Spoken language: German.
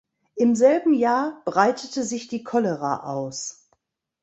Im selben Jahr breitete sich die Cholera aus.